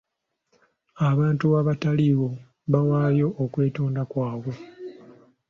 Abantu abataaliwo baawaayo okwetonda kwabwe.